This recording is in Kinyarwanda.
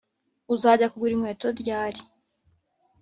uzajya kugura inkweto ryari